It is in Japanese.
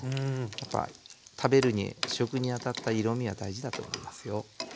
やっぱ食べるに食にあたった色みは大事だと思いますよ。